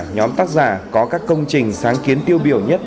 nhóm tác giả có các công trình sáng kiến tiêu biểu nhất